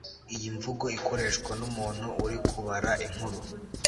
iyi mvugo ikoreshwa n'umuntu uri kubara inkuru